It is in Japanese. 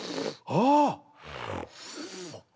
ああ！